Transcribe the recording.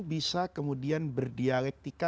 bisa kemudian berdialektika